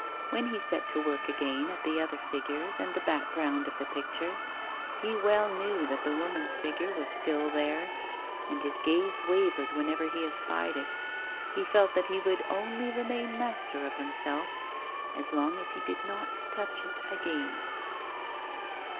When he set to work again at the other figures and the background of the picture, he well knew that the woman's figure was still there, and his glance wavered whenever he espied it; he felt that he would only remain master of himself as long as he did not touch it again.